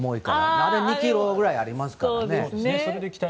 あれ２ｋｇくらいありますから。